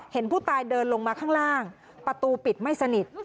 เห็นผู้ตายเดินลงมาข้างล่างประตูปิดไม่สนิท